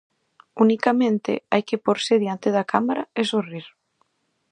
Unicamente hai que pórse diante da cámara e sorrir.